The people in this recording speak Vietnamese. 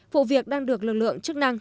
vụ việc đang được lực lượng chức năng